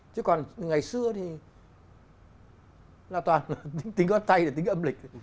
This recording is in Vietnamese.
chứ còn ngày xưa thì là toàn là tính gót tay là tính âm lịch